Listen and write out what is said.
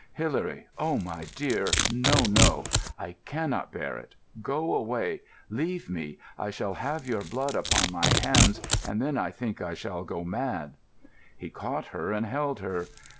"Hilary, oh, my dear! No, no; I cannot bear it. Go away, leave me. I shall have your blood upon my hands, and then I think I shall go mad." He caught her and held her.